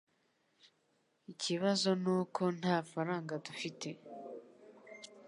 Ikibazo nuko nta faranga dufite.